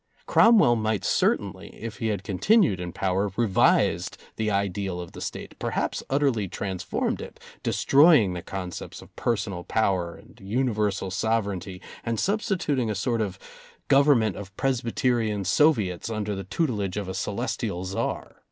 Cromwell might certainly, if he had continued in power, revised the ideal of the State, perhaps utterly transformed it, destroying the concepts of personal power, and universal sovereignty, and substituting a sort of Government of Presbyterian Soviets under the tutelage of a celestial Czar.